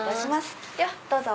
ではどうぞ。